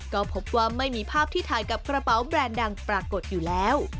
ก็พบว่าไม่มีภาพที่ถ่ายกับกระเป๋าแบรนด์ดังปรากฏอยู่แล้ว